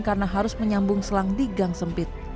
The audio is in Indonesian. karena harus menyambung selang digang sempit